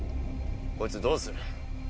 こいつどうする？